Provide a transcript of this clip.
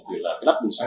thì là cái nắp bình xăng